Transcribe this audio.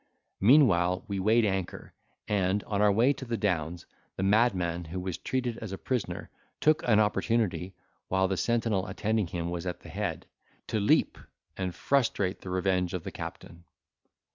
Meanwhile we weighed anchor, and, on our way to the Downs, the madman, who was treated as a prisoner, took an opportunity, while the sentinel attending him was at the head, to leap and frustrate the revenge of the captain.